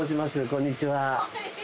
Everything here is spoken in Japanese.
こんにちは。